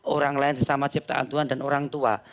orang lain sesama ciptaan tuhan dan orang tua